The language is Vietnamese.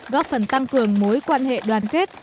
góp phần tăng cường mối quan hệ đoàn kết